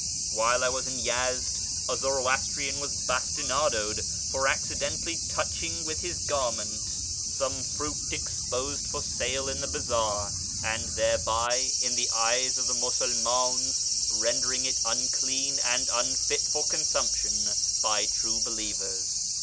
While I was in Yezd a Zoroastrian ''as bastinadoed for accidentally touching with his garment 372 A YEAR AMONGST THE PERSIANS some fruit exposed for sale in the bazaar, and tliereby, iu the eyes of the Musuhn; ins, rendering it unclean and unfit for consumption by true believers.